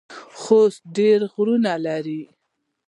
خوست ډیر غرونه لري